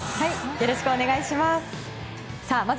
よろしくお願いします。